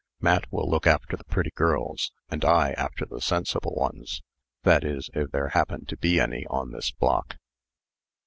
Matt will look after the pretty girls, and I after the sensible ones that is, if there happen to be any on this block."